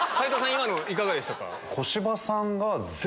今のいかがでしたか？